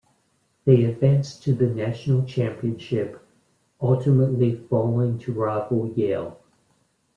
They advanced to the national championship, ultimately falling to rival Yale.